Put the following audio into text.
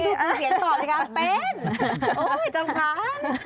ดูเสียงตอบดีกว่าเป็นโอ้ยจำกรรม